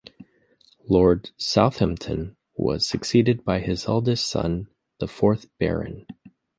Lord Southampton was succeeded by his eldest son, the fourth Baron.